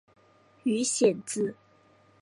鱼显子